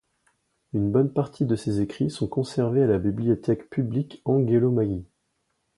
Une bonne partie de ses écrits sont conservés à la Bibliothèque publique Angelo Mai.